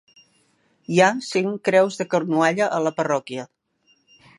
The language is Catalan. Hi ha cinc creus de Cornualla a la parròquia.